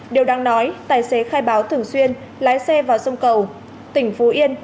điều đáng nói tài xế khai báo thường xuyên lái xe vào sông cầu tỉnh phú yên